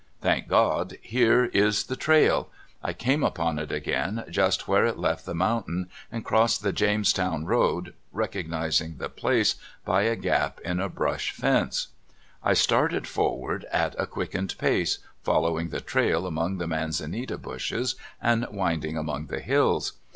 Thank God, here is the trail ! I came upon it again just where it left the mountain and crossed the Jamestown road, recog nizing the place by a gap in a brush fence. I 28 CALIFORNIA SKETCHES. Started forward at a quickened pace, following the trail among the manzanita bushes, and winding among the hills.